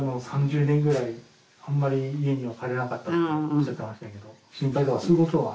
３０年ぐらいあんまり家には帰らなかったっておっしゃってましたけど心配とかそういうことは？